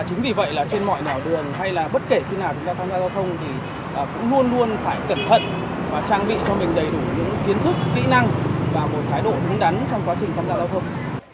chính vì vậy là trên mọi nẻo đường hay là bất kể khi nào chúng ta tham gia giao thông thì cũng luôn luôn phải cẩn thận trang bị cho mình đầy đủ những kiến thức kỹ năng và một thái độ đúng đắn trong quá trình tham gia giao thông